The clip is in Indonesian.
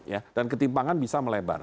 ya dan ketimpangan bisa melebar